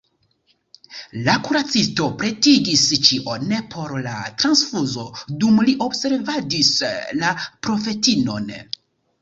La kuracisto pretigis ĉion por la transfuzo, dum li observadis la profetinon.